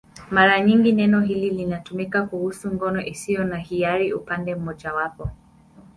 Mara nyingi neno hili linatumika kuhusu ngono isiyo ya hiari upande mmojawapo.